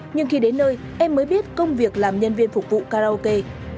nhưng khi đến nơi em mới biết công việc làm nhân viên phục vụ karaoke